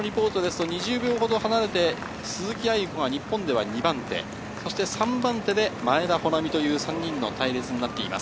先ほどのリポートですと、２０秒離れて鈴木亜由子が日本では２番手、３番手で前田穂南という３人の隊列です。